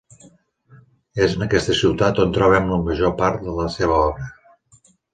És en aquesta ciutat on trobem la major part de la seva obra.